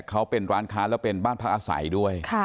เขาเป็นร้านค้าแล้วเป็นบ้านพักอาศัยด้วย